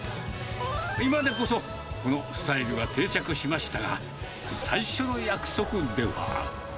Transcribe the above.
今でこそ、このスタイルが定着しましたが、最初の約束では。